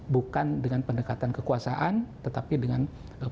bukan dengan pendekatan kekuasaan tetapi dengan